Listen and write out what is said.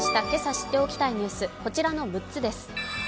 今朝知っておきたいニュースこちらの６つです。